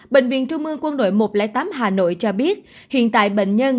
bệnh viện trung mương quân đội một trăm linh tám hà nội cho biết hiện tại bệnh nhân